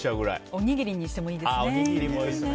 おにぎりにしてもいいですね。